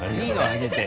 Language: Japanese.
あげて。